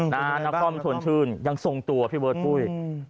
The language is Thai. นักคอมทนชื่นยังทรงตัวพี่เวิร์ดปุ้ย